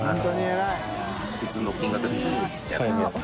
普通の金額ですむじゃないですか。